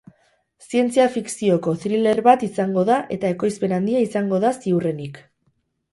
Zientzia fikzioko thriller bat izango da eta ekoizpen handia izango da ziurrenik.